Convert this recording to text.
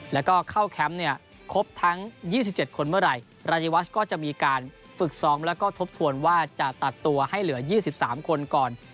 แล้วก็เข้าแคมป์เนี่ยครบทั้ง๒๗คนเมื่อไหร่รายวัชก็จะมีการฝึกซ้อมแล้วก็ทบทวนว่าจะตัดตัวให้เหลือ๒๓คนก่อน